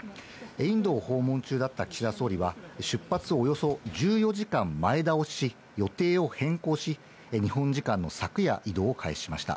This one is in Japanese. インドを訪問中だった岸田総理は、出発をおよそ１４時間前倒しし、予定を変更し、日本時間の昨夜、移動を開始しました。